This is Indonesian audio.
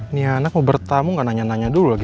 nihana mau bertamung kan nanya nanya dulu lagi